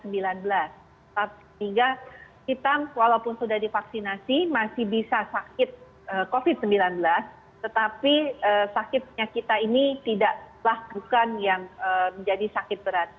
sehingga kita walaupun sudah divaksinasi masih bisa sakit covid sembilan belas tetapi sakitnya kita ini tidaklah bukan yang menjadi sakit berat